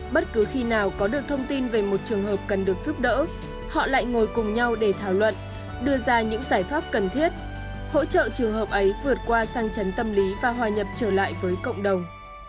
bất cứ khi nào có được thông tin về một trường hợp cần được giúp đỡ họ lại ngồi cùng nhau để thảo luận đưa ra những giải pháp cần thiết hỗ trợ trường hợp ấy vượt qua sang chấn tâm lý và hòa nhập trở lại với cộng đồng